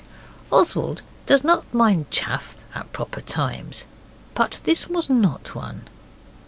Oswald does not mind chaff at proper times. But this was not one.